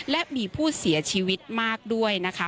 และมีผู้เสียชีวิตมากด้วยนะคะ